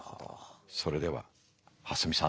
それでは蓮見さん。